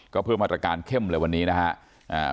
ก็เพิ่มมาตรการเข้มเลยวันนี้นะครับ